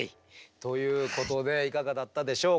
ということでいかがだったでしょうか